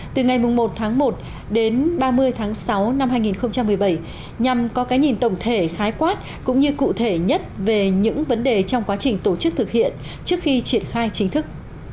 từ ngày một tháng một đến ba mươi tháng sáu năm hai nghìn một mươi bảy nhằm có cái nhìn tổng thể khái quát cũng như cụ thể nhất về những vấn đề trong quá trình tổ chức thực hiện trước khi triển khai chính thức